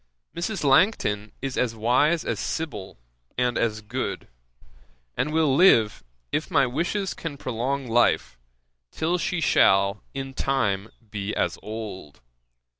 Mrs. Langton is as wise as Sibyl, and as good; and will live, if my wishes can prolong life, till she shall in time be as old.